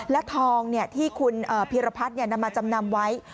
และทองที่คุณพีรพัฒน์นำมาจำนำไว้